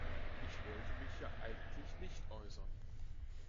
Ich wollte mich ja eigentlich nicht äußern.